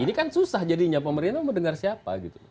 ini kan susah jadinya pemerintah mau dengar siapa gitu